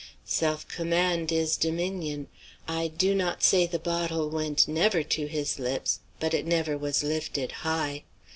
Self command is dominion; I do not say the bottle went never to his lips, but it never was lifted high.